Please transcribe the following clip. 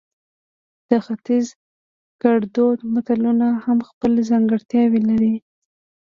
د ختیز ګړدود متلونه هم خپل ځانګړتیاوې لري